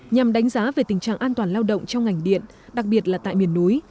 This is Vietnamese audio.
nhằm đánh giá về tình trạng an toàn lao động trong ngành điện đặc biệt là tại miền núi